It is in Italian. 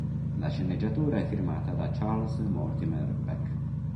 La sceneggiatura è firmata da Charles Mortimer Peck.